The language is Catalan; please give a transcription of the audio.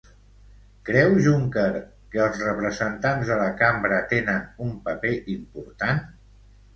Creu Juncker que els representants de la cambra tenen un paper important?